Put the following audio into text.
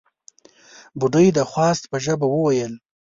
بوډۍ د خواست په ژبه وويل: